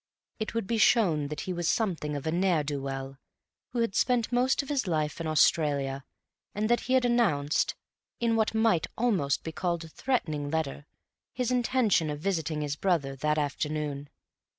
It would be shown that he was something of a ne'er do well, who had spent most of his life in Australia, and that he had announced, in what might almost be called a threatening letter, his intention of visiting his brother that afternoon.